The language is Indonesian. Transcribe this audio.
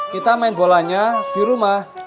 kita main bolanya di rumah